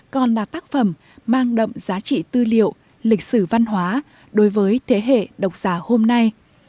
còn là tác phẩm mang đậm giá trị tư liệu lịch sử văn hóa đối với thế hệ độc giả hôm nay